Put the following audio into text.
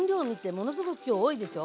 ものすごく今日多いでしょ。